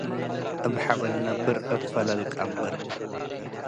እብ ሐበን ነብር፡ እብ ፈለል ቀብር።